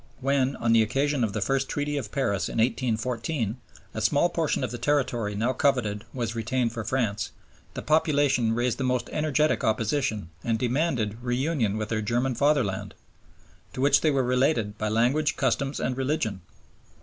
When, on the occasion of the first Treaty of Paris in 1814, a small portion of the territory now coveted was retained for France, the population raised the most energetic opposition and demanded 'reunion with their German fatherland,' to which they were 'related by language, customs, and religion.'